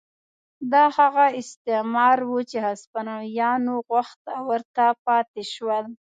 دا هغه استعمار و چې هسپانویانو غوښت او ورته پاتې شول.